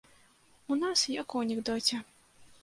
У нас як у анекдоце.